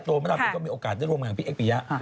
โตมาตั้งแต่ก็มีโอกาสได้ร่วมงานกับพี่เอ็กซ์ปี๋ยะ